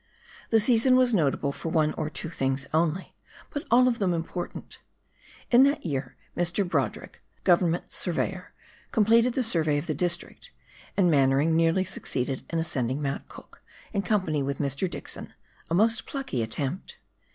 The season was notable for one or two tilings only, but all of them important. In that year Mr. Brodrick, Go vernment surveyor, completed the survey of the district, and Mannering nearly succeeded in ascending Mount Cook,* in company with Mr. Dixon, a most plucky attempt.